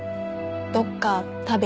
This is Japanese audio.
どっか食べ行こ。